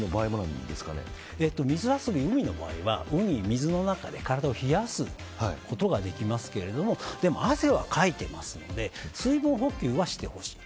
水遊び、海の場合は海や水の中で体を冷やすことができますがでも、汗はかいてますので水分補給はしてほしい。